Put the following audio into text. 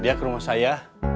biar ke rumah saya